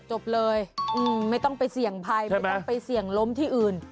จบเลยไม่ต้องไปเสี่ยงภัยไม่ต้องไปเสี่ยงล้มที่อื่น